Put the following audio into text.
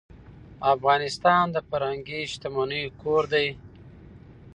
افغانستان د فرهنګي شتمنیو کور دی.